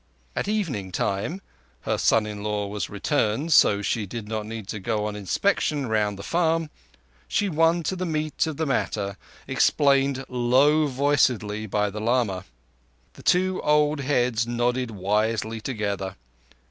At evening time—her son in law was returned, so she did not need to go on inspection round the farm—she won to the meat of the matter, explained low voicedly by the lama. The two old heads nodded wisely together.